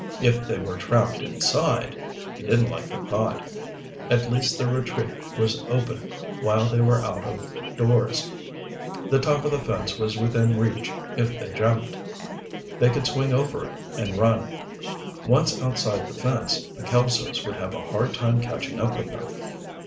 If they were trapped inside ... he didn't like the thought. At least their retreat was open while they were out of doors. The top of the fence was within reach if they jumped. They could swing over it and run. Once outside the fence, the Kelsos would have a hard time catching up with them.